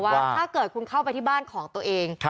ถ้าเกิดคุณเข้าไปที่บ้านของตัวเอง